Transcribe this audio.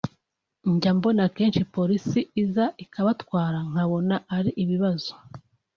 njya mbona kenshi polisi iza ikabatwara nkabona ari ibibazo